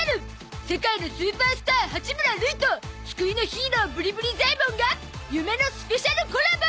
世界のスーパースター八村塁と救いのヒーローぶりぶりざえもんが夢のスペシャルコラボ！